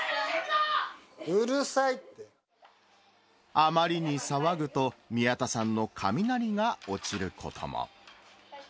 あまりに騒ぐと、宮田さんの雷が落ちることも。